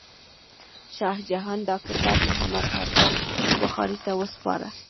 شاه جهان دا کتاب محمد افضل بخاري ته وسپاره.